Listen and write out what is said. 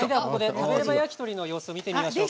「食べれば焼き鳥」の様子を見ていきましょう。